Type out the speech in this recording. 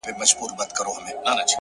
هغې وهلی اووه واري په قرآن هم يم _